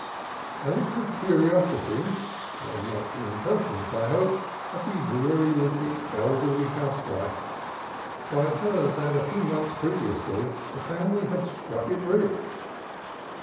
I looked with curiosity (not imper tinent, I hope) at the weary looking, elderly house wife, for I had heard that a few months previously the family had "struck it rich."